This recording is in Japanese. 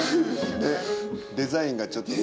デザインがちょっとね。